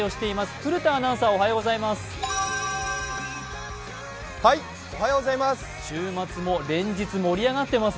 古田アナウンサー、おはようございます。